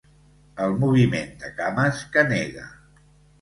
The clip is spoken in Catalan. El moviment de cames que nega.